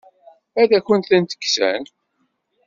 Ad akent-ten-kksen?